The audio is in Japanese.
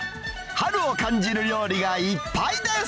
春を感じる料理がいっぱいです。